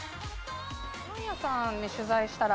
パン屋さんに取材したら。